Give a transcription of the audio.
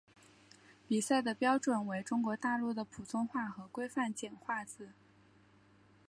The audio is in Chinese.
比赛的标准为中国大陆的普通话和规范简化字。